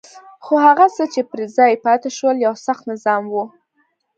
خو هغه څه چې پر ځای پاتې شول یو سخت نظام وو.